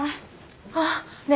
あっねえ